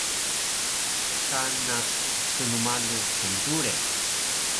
Kana snmalu hndure